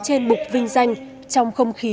trên mục vinh danh trong không khí